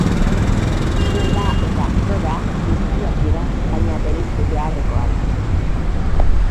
Proba eta froga bizkiak dira, baina bereizi beharrekoak.